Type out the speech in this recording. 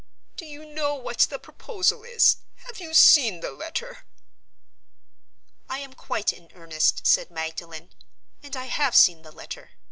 Do you know what the proposal is? Have you seen the letter?" "I am quite in earnest," said Magdalen, "and I have seen the letter.